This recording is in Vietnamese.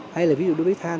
hay là ví dụ đối với than